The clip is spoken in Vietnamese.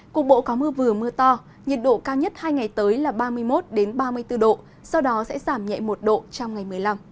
cục bộ có mưa vừa mưa to nhiệt độ cao nhất hai ngày tới là ba mươi một ba mươi bốn độ sau đó sẽ giảm nhẹ một độ trong ngày một mươi năm